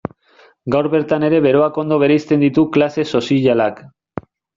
Gaur bertan ere beroak ondo bereizten ditu klase sozialak.